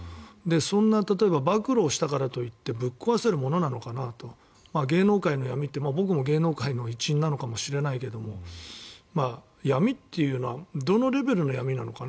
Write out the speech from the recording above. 例えば暴露をしたからといってぶっ壊せるものなのかなと芸能界の闇って僕は芸能界の一員なのかもしれないけど闇っていうのはどのレベルの闇なのかな。